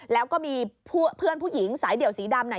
แล้วก็มีเพื่อนผู้หญิงสายเดี่ยวสีดำน่ะ